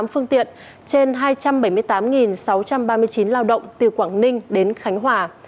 sáu mươi một bốn trăm sáu mươi tám phương tiện trên hai trăm bảy mươi tám sáu trăm ba mươi chín lao động từ quảng ninh đến khánh hòa